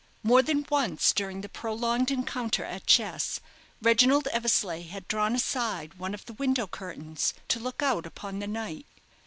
More than once during the prolonged encounter at chess, Reginald Eversleigh had drawn aside one of the window curtains, to look out upon the night.